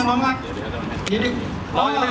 เวลา